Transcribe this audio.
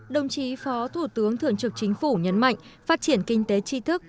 đồng chí phó thủ tướng thường trực chính phủ nhấn mạnh phát triển kinh tế tri thức